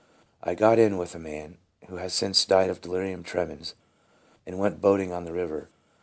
I got in with a man, who has since died of delirium tremens, and went boating on the river.